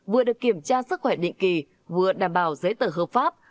vừa được kiểm tra sức khỏe định kỳ vừa đảm bảo giấy tờ hợp pháp